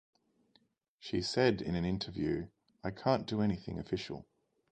She said in an interview, I can't do anything official.